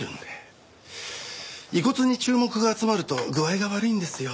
遺骨に注目が集まると具合が悪いんですよ。